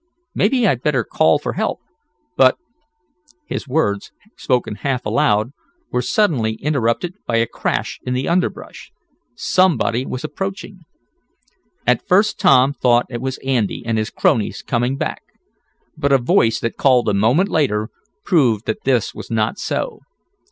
Maybe I'd better call for help, but " His words, spoken half aloud, were suddenly interrupted by a crash in the underbrush. Somebody was approaching. At first Tom thought it was Andy and his cronies coming back, but a voice that called a moment later proved that this was not so.